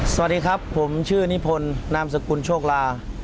สวัสดีครับผมชื่อนิพนธ์นามสกุลโชคลา